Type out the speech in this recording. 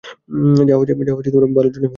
যা হয়েছে ভালোর জন্যই হয়েছে, খোকা।